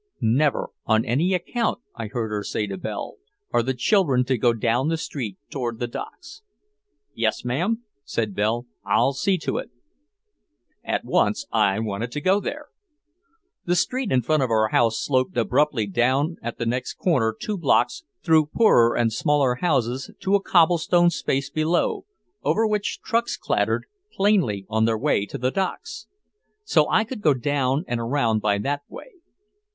"Never on any account," I heard her say to Belle, "are the children to go down the street toward the docks." "Yes, ma'am," said Belle. "I'll see to it." At once I wanted to go there. The street in front of our house sloped abruptly down at the next corner two blocks through poorer and smaller houses to a cobblestone space below, over which trucks clattered, plainly on their way to the docks. So I could go down and around by that way.